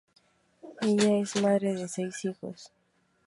Ella es madre de seis hijos.